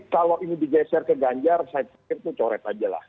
kalau ini digeser ke ganjar saya pikir itu coret aja lah